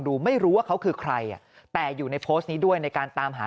ดูไม่รู้ว่าเขาคือใครอ่ะแต่อยู่ในโพสต์นี้ด้วยในการตามหา